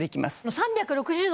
３６０度に。